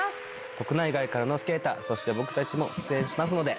国内外からのスケーターそして僕たちも出演します。